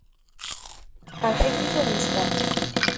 Teqreḥ-iyi tuɣmest-a.